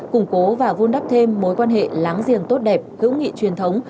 củng cố và vun đắp thêm mối quan hệ láng giềng tốt đẹp hữu nghị truyền thống